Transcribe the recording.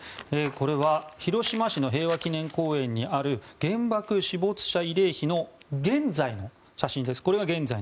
これは広島市の平和記念公園にある原爆死没者慰霊碑の現在の写真です。